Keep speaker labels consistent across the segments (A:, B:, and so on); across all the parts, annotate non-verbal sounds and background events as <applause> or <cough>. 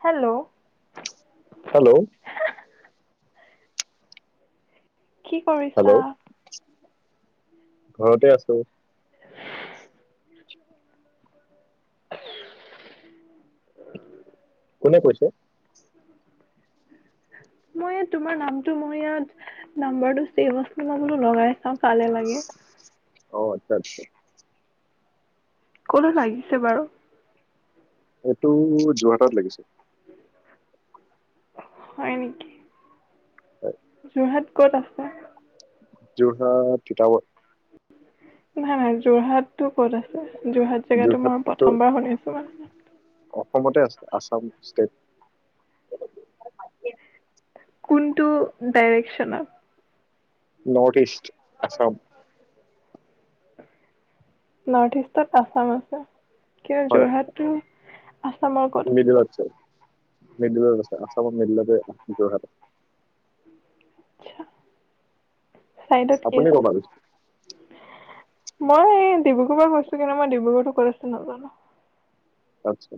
A: হেল্ল'হেহ
B: hello
A: কি
B: hello
A: কৰিছা?
B: ঘৰতে আছো। কোনে কৈছে?
A: মই ইয়াত তোমাৰ নামটো মই ইয়াত নাম্বাৰটো চেভ আছিলে বোলো লগাই অ', কালে লাগে।
B: অ', আচ্ছা, আচ্ছা।
A: ক'লৈ লাগিছে বাৰু?
B: এইটো যোৰহাটত লাগিছে।
A: হয়, নেকি?
B: হয়,
A: যোৰহাট ক'ত আছে?
B: যোৰহাট, তিতাবৰ
A: নাই, নাই যোৰহাটতো ক'ত আছে? যোৰহাট জেগাটো মই
B: যোৰহাটতো
A: প্ৰথমবাৰ শুনিছোঁ মানে।
B: অসমতে আছে, আচাম ষ্টেট।
A: কোনটো ডাইৰেকচনত?
B: নৰ্থ ইষ্ট আচাম
A: নৰ্থ ইষ্টত আচাম আছে। কিন্ত
B: হয়
A: যোৰহাটতো
B: <unintelligible> মিডিলত আছে, আচামৰ মিডিলতে যোৰহাট আছ
A: আচ্ছা। চাইডত কি
B: আপুনি ক'ৰ
A: আছে?
B: পৰা কৈছে
A: মই এই ডিব্ৰুগড়ৰ পৰা কৈছো, কিন্তু মই ডিব্ৰুগড়তো ক'ত আছে নাজানো।
B: আতছা।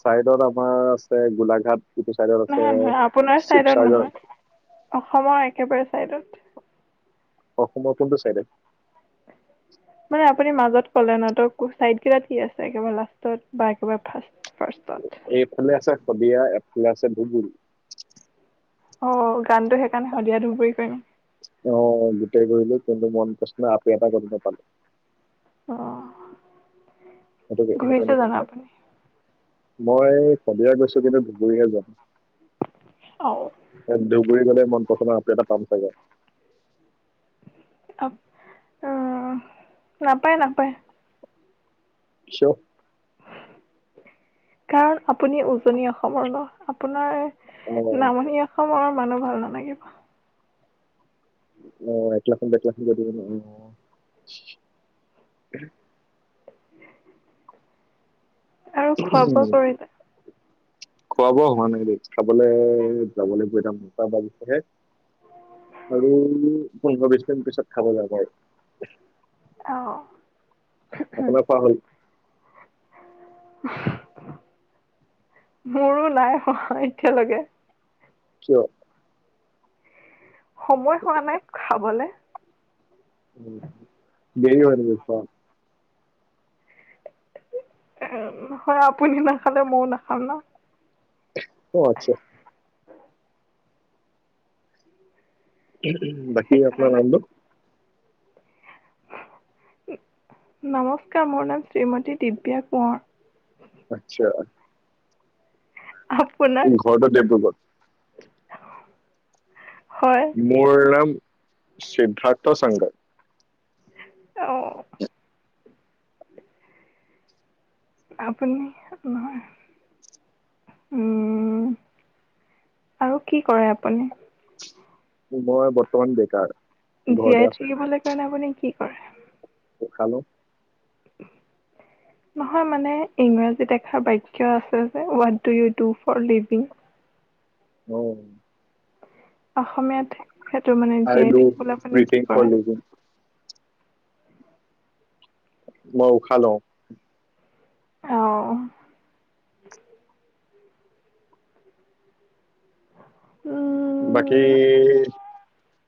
B: চাইডত আমাৰ আছে গোলাঘাট। ইটো চাইডত আছে
A: নহয়, নহয় আপোনাৰ চাইডত
B: শিৱসাগৰ
A: নহয় অসমৰ একেবাৰে চাইডত?
B: অসমৰ কোনটো চাইডে?
A: মানে আপুনি মাজত ক'লে ন? ত' চাইড কেইটাত কি আছে? একেবাৰে লাষ্টত বা একেবাৰে ফাৰ্ষ্ট ফাৰ্ষ্টত
B: এইফালে আছে শদিয়া ফালে আছে ধুবুৰী
A: অ', গানটো সেইকাৰণে শদিয়া, ধুবুৰী <unintelligible>
B: অ', গোটেই ঘূৰিলোঁ কিন্তু মন পচন্দৰ আপি এটা ক'তো নাপালো।
A: অ'।
B: মইটো
A: ঘূৰিছে
B: সেইকাৰণে
A: জানো আপুনি
B: মই শদিয়া গৈছো কিন্তু ধুবুৰীহে যোৱা
A: অ
B: নাই। ধুবুৰী গ'লে মন পচন্দৰ আপি এটা পাম চাগে।
A: অ', নাপায়, নাপায়।
B: <unintelligible>
A: কাৰণ আপুনি উজনি অসমৰ ন' আপোনাৰ
B: অ
A: নামনি অসমৰ মানুহ ভাল নালাগিব।
B: অ', <unintelligible> অ'।
A: উ <unintelligible> আৰু খোৱা বোৱা কৰিলে
B: খোৱা বোৱা হোৱা নাই দেই খাবলৈ যাব লাগিব <unintelligible> আৰু পোন্ধৰ বিশ মিনিট পিছত খাব যাম আৰু
A: অ
B: আপোনাৰ খোৱা হ'ল
A: মোৰো নাই হোৱা, এতিয়ালৈকে।
B: কিয়?
A: সময় হোৱা নাই, খাবলে
B: উম--দেৰি হয় নেকি খোৱা
A: এ নহয় আপুনি নাখালে, ময়ো নাখাম ন
B: অ আচ্ছা বাকী আপোনাৰ
A: সেইকাৰণে
B: নামটো
A: নমস্কাৰ, মোৰ নাম শ্ৰীমতী দিব্যা কোঁৱৰ।
B: আচ্ছা
A: আপোনাৰ
B: উম ঘৰটো ডিব্ৰুগড়
A: হয়
B: মোৰ নাম সিদ্ধাৰ্থ শংকৰ
A: অ আপুনি, নহয় উম আৰু কি কৰে আপুনি?
B: মই বৰ্তমান বেকাৰ ঘৰতে
A: জীয়াই
B: আছো
A: থাকিবলৈ কাৰণে আপুনি কি কৰে?
B: উশাহ লও।
A: নহয় মানে ইংৰাজী এখাৰ বাক্য আছে যে what do you do for living
B: অ
A: অসমীয়াত সেইটো মানে,
B: আই
A: জীয়াই
B: ডু
A: থাকিবলৈ আপুনি
B: ব্ৰিথিং
A: কি
B: ফৰ
A: কৰে?
B: লিভিং মউ খালোঁ।
A: অ উম
B: বাকী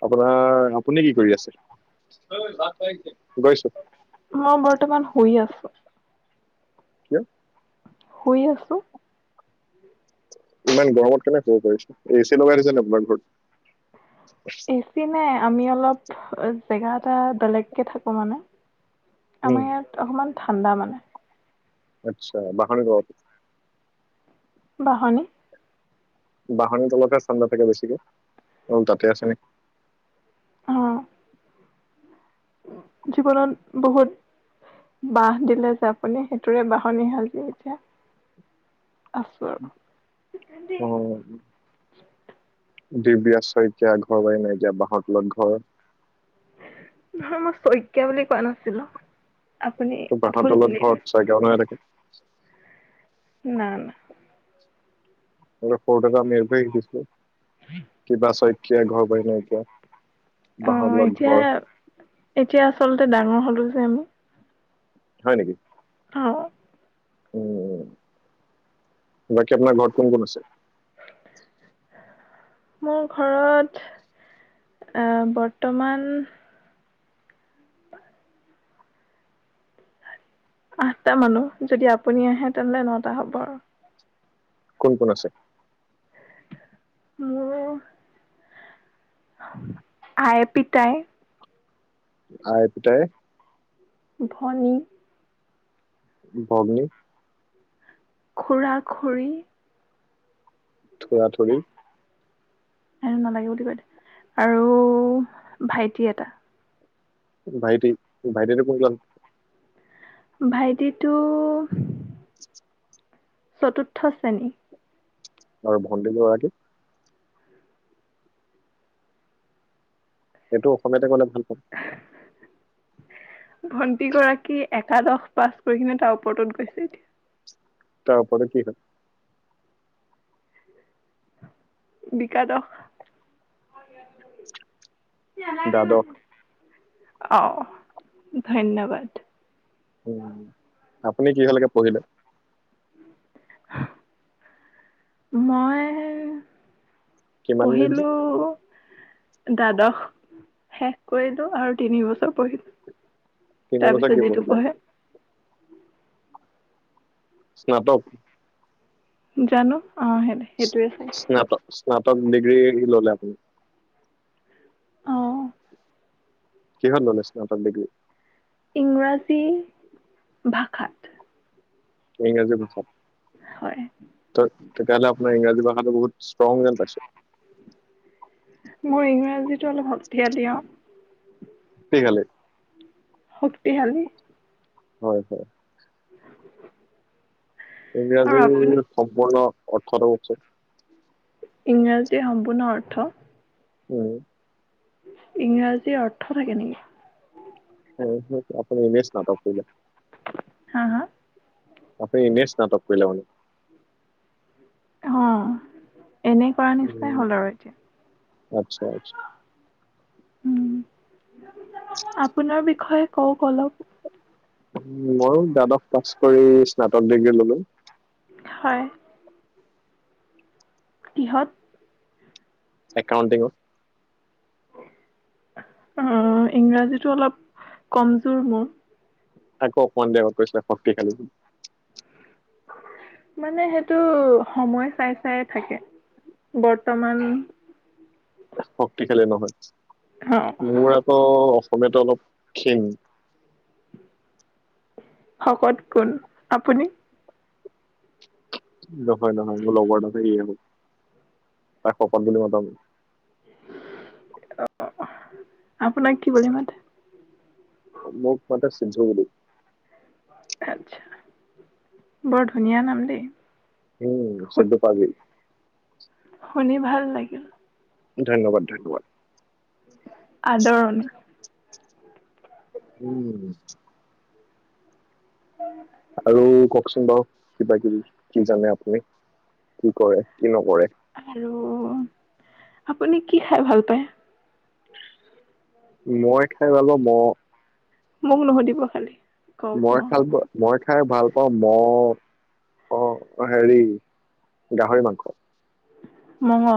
B: আপোনাৰ আপুনি কি কৰি আছে গৈছোঁ।
A: মই বৰ্তমান শুই আছোঁ।
B: কিয়?
A: শুই আছোঁ
B: ইমান গৰমত কেনেকৈ শুব পাৰিছে? এ চি লগাই দিছে নাই আপোনাৰ ঘৰত
A: এ চি নাই আমি অলপ--জেগা এটা বেলেগকে থাকো মানে,
B: উম,
A: আমাৰ ইয়াত অকমান ঠাণ্ডা মানে
B: আচ্ছা--বাহনি গৰত
A: বাহনিত
B: বাহনিৰ তলতে ঠাণ্ডা থাকে বেছিকে অ তাতে আছে নে?
A: অ'। জীৱনত বহুত বাঁহ দিলে যে আপুনি, সেইটোৰে বাহনি সাজি এতিয়া, আছোঁ আৰু
B: অ'। দিব্যা শইকীয়া, ঘৰ-বাৰী নাইকিয়া, বাঁহৰ তলত ঘৰ।
A: নহয় মই শইকীয়া বুলি কোৱা নাছিলো।
B: বাঁহৰ তলত ঘৰত চাইকে নাই থাকে। নাই।
A: না, না।
B: সকৰোতে যে আমি এইটোই শিকিছিলো। কিবা চৈত কিয় ঘৰ বাৰী নাইকীয়া।
A: অ', এতিয়া, এতিয়া আচলতে ডাঙৰ হ'লো যে, আমি।
B: হয়, নেকি?
A: অ'।
B: উম, বাকী আপোনাৰ ঘৰত কোন, কোন আছে?
A: মোৰ ঘৰত আ, বৰ্তমান আঠটা মানুহ যদি আপুনি আহে তেনেহ'লে নটা হ'ব আৰু।
B: কোন, কোন আছে?
A: মোৰ আই, পিতাই।
B: আই, পিটাই।
A: ভনী
B: ভগ্নী
A: খুৰা, খুৰী।
B: থুৰা থুৰি
A: এ, নালাগে বুলি কয় দে আৰু ভাইটি এটা
B: ভাইটি, ভাইটিতো কোন ক্লাচ?
A: ভাইটিতো চতুৰ্থ শ্ৰেণী।
B: আৰু ভণ্টি গৰাকী? এইটো অসমীয়াতে ক'লে ভাল পাম
A: নাই। ভন্টি গৰাকী একাদশ পাছ কৰি কিনে তাৰ ওপৰতত গৈছে এতিয়া।
B: তাৰ ওপৰত কি হয়?
A: বিকাদশ
B: দাদক
A: অহ, ধন্যবাদ।
B: উম। আপুনি কিহৰলৈকে পঢ়িলে?
A: মই
B: কিমান
A: পঢ়িলো।
B: মিনিট-
A: দ্বাদশ শেষ কৰিলোঁ আৰু তিনি বছৰ পঢ়িলোঁ
B: তিনি
A: তাৰ
B: বছৰ কি
A: পিছত যিটো
B: পঢ়িলে
A: পঢ়ে।
B: স্নাতক?
A: জানো? অ সেই সেইটোৱে চাই
B: চ-স্নাত স্নাত টক ডিগ্ৰী ল'লে আপুনি।
A: অ'।
B: কিহত ল'লে স্নাতক ডিগ্ৰী?
A: ইংৰাজী ভাষাত।
B: ইংৰাজী ভাষাত?
A: হয়
B: ত, তেতিয়াহলে আপোনাৰ ইংৰাজী <unintelligible> বহুত ষ্ট্ৰং যেন পাইছোঁ।
A: মোৰ ইংৰাজীটো অলপ শক্তিশালী, অ'।
B: শক্তিশালী?
A: শক্তিশালী।
B: হয়, হয়।
A: আৰু আপুনি
B: ইংৰাজীৰ সম্পূৰ্ণ অৰ্থটো কওকচোন।
A: ইংৰাজীৰ সম্পূৰ্ণ অৰ্থ?
B: উম।
A: ইংৰাজীৰ অৰ্থ থাকে নেকি?
B: <unintelligible> আপুনি এনে স্নাতক কৰিলে।
A: হা, হা?
B: আপুনি এনে স্নাতক কৰিলে বুলো।
A: অহ। এনেই কৰা নিচিনাই
B: উম
A: হ'ল আৰু এতিয়া।
B: আচ্ছা আচ্ছা
A: উম। আপোনাৰ বিষয়ে কওক অলপ।
B: ময়ো দ্বাদশ পাচ কৰি স্নাতক ডিগ্ৰী ল'লো।
A: হয়। কিহত?
B: একাউণ্টিংত।
A: অ', ইংৰাজীটো অলপ কমজোৰ মোৰ।
B: আকৌ অকমান দেৰি আগত কৈছিলা শক্তিশালী বুলি।
A: মানে সেইটো সময় চাই চাইয়ে থাকে বৰ্তমান,
B: শক্তিশালী নহয়?
A: অ',
B: মোৰ আকৌ অ অসমীয়াটো অলপ ক্ষীণ।
A: শকত কোন, আপুনি?
B: নহয়, নহয়। মোৰ লগৰ <unintelligible> তাক শকত বুলি মাতাম
A: অ', আপোনাক কি বুলি মাতে?
B: মোক মাতে সূৰ্য্য বুলি।
A: আটচা বৰ ধুনীয়া নাম দেই।
B: উম
A: শু-
B: চিদ্ধ পাজি
A: শুনি ভাল লাগিল
B: ধন্যবাদ ধন্যবাদ
A: আদৰণি
B: উম আৰু ক ককচোন বাৰু কিবা কিবি কি জানে আপুনি কি কৰে কি নকৰে
A: আৰু আপুনি কি খাই ভাল পায়
B: মই খাই ভাল পাও ম
A: মোক নুশুধিব খালি কওক অ
B: মই খাল মই খাই ভাল পাওঁ ম অ হেৰি গাহৰি মাংস
A: মঙহ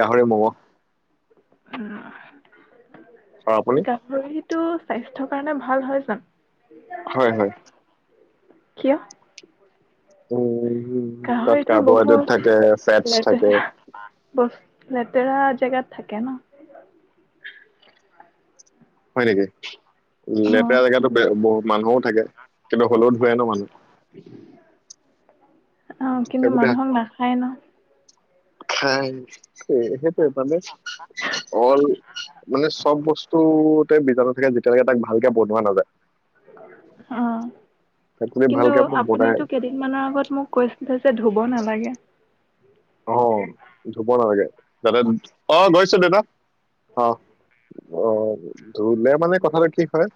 B: গাহৰি মঙহ
A: উম
B: অ আপুনি
A: গাহৰি টো স্বাস্থ্যৰ কাৰণে ভাল হয় জানো?
B: হয় হয়
A: কিয়
B: উ তাত
A: গাহৰিটো
B: কাৰ্বহাইড্ৰেট
A: বহুত
B: থাকে ফেটছ থাকে
A: লেতেৰা বস লেতেৰা জেগাত থাকে ন
B: হয় নেকি
A: অ
B: লেতেৰা জেগাটো বে বহুত মানুহো থাকে কিন্তু হ'লেও ধোৱে ন মানুহ
A: অ কিন্তু মানুহক নাখায় ন
B: খায় সেইটোৱে মানে অল মানে চব বস্তুতে বীজাণু থাকে যেতিয়ালৈকে তাক ভালকে বনোৱা নাযায়
A: অ
B: তাক যদি
A: কিন্তু
B: ভালকে আপুনি বনাই
A: আপুনিটো কেইদিনমানানৰ আগত মোক কৈছিল যে ধুব নালাগে
B: অ ধুব নালাগে যাতে অ গৈছো দেউতা অ অ', ধুলে মানে কথাটো কি হয়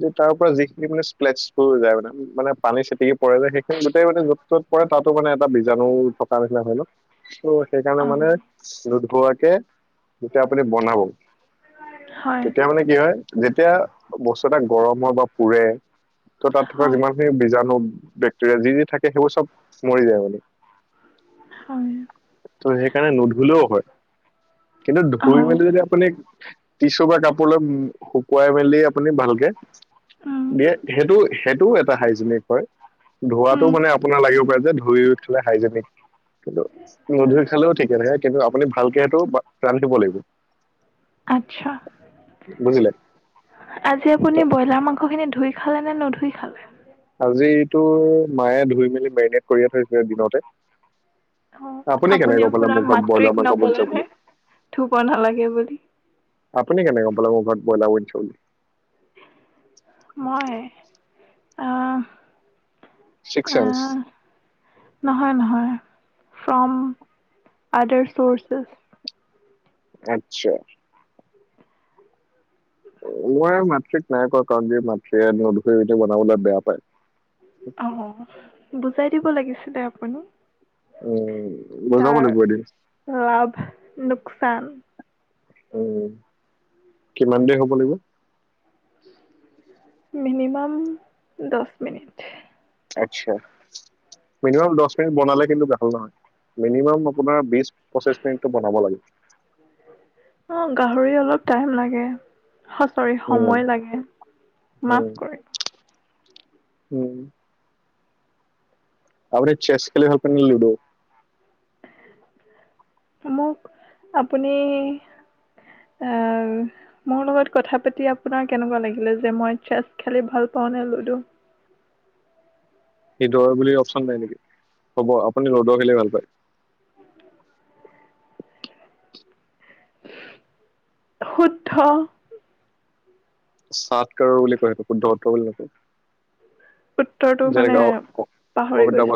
B: যে তাৰ পৰা যিখিনি মানে স্পেল্টচ যায় মানে মানে পানী চিটিকি পৰে যায় সেইখিনি গোটেই মানে য'ত য'ত পৰে তাতো মানে এটা বীজাণু থকা নিচিনা হয় ন'। ত' সেইকাৰণে
A: অ
B: মানে খোৱাকে যেতিয়া আপুনি বনাব
A: হয়
B: তেতিয়া মানে কি হয় যেতিয়া বস্তু এটা গৰম হয় বা পুৰে ত' তাত থকা
A: হয়
B: যিমান খিনি বীজাণু বেক্টেৰিয়া যি যি থাকে সেইবোৰ চব মৰি যায় মানে।
A: হয়
B: ত' সেইকাৰণে নুধুলেও হয়। কিন্তু
A: অ
B: ধুই মেলি যদি আপুনি টিশু বা কাপোৰলৈ শুকুৱাই মেলি আপুনি ভালকে
A: উম
B: দিয়ে সেইটো সেই টোও এটা হাইজেনিক হয়। ধোৱাটো
A: উম
B: মানে আপোনাৰ লাগে যে ধুই উঠে হাইজেনিক কিন্তু নধুই খালেওঁ ঠিকে থাকে কিন্তু আপুনি ভালকে সেইটো ৰান্ধিব লাগিব।
A: আচ্ছা।
B: বুজিলে।
A: আজি
B: ত
A: আপুনি ব্ৰইলাৰ মাংস খিনি ধুই খালে নে নুধুই খালে?
B: আজি এইটো মায়ে ধুই মেলি মেৰিনেট কৰিয়ে থৈছিলে দিনতে।
A: অ
B: আপুনি কেনেকে গম পালে
A: আপোনাৰ
B: মোৰ ঘৰত
A: মাতৃক
B: ব্ৰইলাৰ মাংস বনিছে
A: নকলেনে
B: বুলি,
A: ধুব নালাগে বুলি?
B: আপুনি কেনে গম পালে মোৰ ঘৰত ব্ৰইলাৰ বনিছে বুলি।
A: মই আহ
B: ছিক্সচেন্চ।
A: আহ নহয়, নহয় ফ্ৰম আদাৰ চৰ্চেছ।
B: আত্ছা। মই মাতৃক নাই কোৱা কাৰণ যে, মাতৃয়ে <unintelligible> বনাবলৈ বেয়া পায়।
A: অহ। বুজাই দিব লাগিছিলে আপুনি।
B: উম বুজাব
A: তাৰ
B: লাগিব এদিন
A: লাভ, লোকচান।
B: উম, কিমান দেৰি হ'ব লাগিব?
A: মিনিমাম দচ মিনিট।
B: আতচ্ছা মিনিমাম দচ মিনিট বনালে কিন্তু ভাল নহয়, মিনিমাম আপোনাৰ বিচ, পঁচিশ মিনিটতো বনাব লাগে
A: অ', গাহৰি অলপ টাইম লাগে। হ, চৰি
B: উম
A: সময় লাগে মাফ
B: উম
A: কৰি
B: উম। আপুনি চেছ খেলি ভাল পায় নে লুডো?
A: মোক আপুনি মোৰ লগত কথা পাতি আপোনাৰ কেনেকুৱা লাগিলে যে মই চেছ খেলি ভাল পাওঁ নে লুডো?
B: সেতো হয় বুলি অপচন নাই নেকি হ'ব আপুনি লুড' খেলি ভাল পায়।
A: শুদ্ধ।
B: সাটকাৰৰ বুলি কয় সেইটো শুদ্ধ উত্তৰ বুলি নকয়।
A: উত্তৰটো মানে পাহৰি
B: যেনেকে
A: গৈছে।